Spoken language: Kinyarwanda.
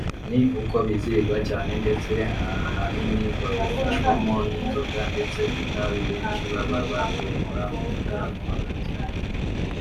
ni uko bizihirwa cyane ndetse ahanini babifashwamo n’inzoga ndetse n’itabi benshi baba batumura mu gitaramo hagati